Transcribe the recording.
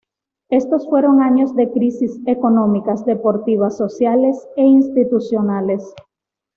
Estos fueron años de crisis económicas, deportivas, sociales e institucionales.